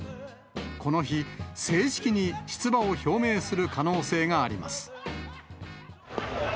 この日、正式に出馬を表明する可能性があります。